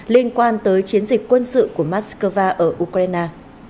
liên quan tới chiến dịch quân sự của moscow ở ukraine